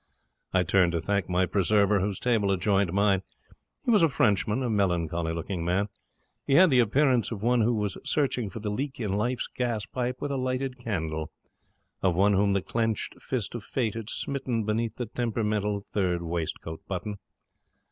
I turned to thank my preserver, whose table adjoined mine. He was a Frenchman, a melancholy looking man. He had the appearance of one who has searched for the leak in life's gas pipe with a lighted candle; of one whom the clenched fist of Fate has smitten beneath the temperamental third waistcoat button.